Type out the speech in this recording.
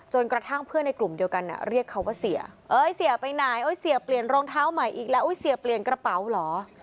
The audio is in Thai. กระทั่งเพื่อนในกลุ่มเดียวกันเรียกเขาว่าเสียเอ้ยเสียไปไหนเอ้ยเสียเปลี่ยนรองเท้าใหม่อีกแล้วเสียเปลี่ยนกระเป๋าเหรอ